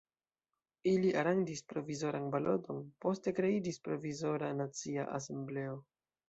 Ili aranĝis provizoran baloton, poste kreiĝis Provizora Nacia Asembleo.